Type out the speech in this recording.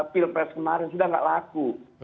pilpres kemarin sudah tidak laku